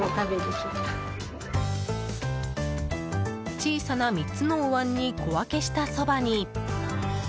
小さな３つのおわんに小分けしたそばに。